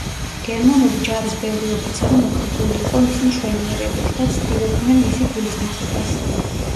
გერმანული ჯარის ბევრი ოფიცერი მოხიბლული იყო მისი მშვენიერებით და ცდილობდნენ მისი გულის მოგებას.